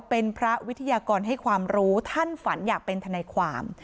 เป็นพระวิทยากรให้ความรู้ท่านฝันอยากเป็นทนายความ